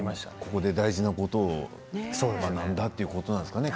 ここで大事なことを学んだということですかね。